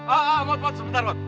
ah ah ah sebentar om